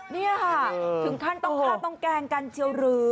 นี่ค่ะถึงขั้นต้องฆ่าต้องแกล้งกันเชียวหรือ